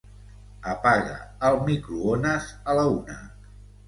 Apaga el microones a la una.